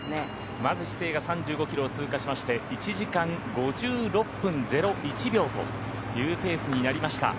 まずシセイが３５キロを通過しまして１時間５６分０１秒というペースになりました。